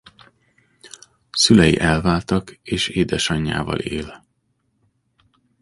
Szülei elváltak és édesanyjával él.